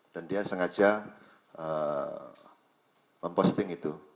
dan dia sengaja memposting itu